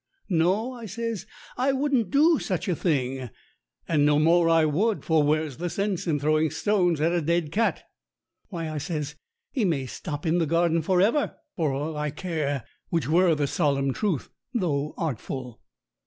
"No," I says, "I wouldn't do such a thing." And no more I would, for where's the sense in throwing stones at a dead cat? "Why," I says, "he may stop in the garden for ever, for all I care," which were the solemn truth, though artful.